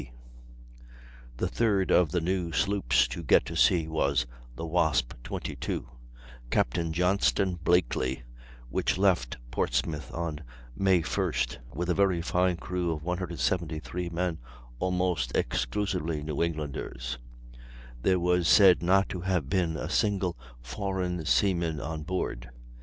B. The third of the new sloops to get to sea was the Wasp, 22, Captain Johnston Blakely, which left Portsmouth on May 1st, with a very fine crew of 173 men, almost exclusively New Englanders; there was said not to have been a single foreign seaman on board.